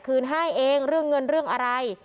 คุณพ่อคุณว่าไง